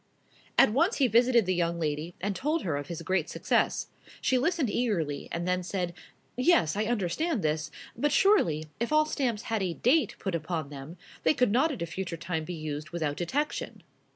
At once he visited the young lady, and told her of his great success. She listened eagerly, and then said, "Yes, I understand this; but surely, if all stamps had a date put upon them, they could not at a future time be used without detection."